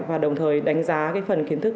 và đồng thời đánh giá cái phần kiến thức